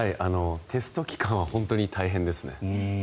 テスト期間は本当に大変ですね。